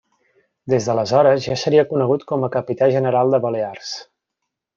Des d’aleshores ja seria conegut com a Capità general de Balears.